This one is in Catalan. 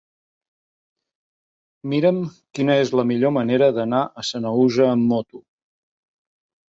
Mira'm quina és la millor manera d'anar a Sanaüja amb moto.